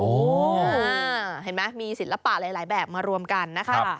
เห็นไหมมีศิลปะหลายแบบมารวมกันนะคะ